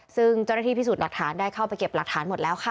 ซึ่งเจ้าหน้าที่พิสูจน์หลักฐานได้เข้าไปเก็บหลักฐานหมดแล้วค่ะ